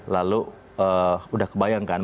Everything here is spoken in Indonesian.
lalu udah kebayang kan